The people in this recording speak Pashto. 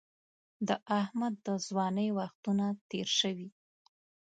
د احمد د ځوانۍ وختونه تېر شوي.